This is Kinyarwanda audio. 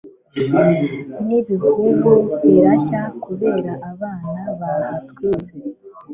n'ibihuru birashya kubera abana bahatwitse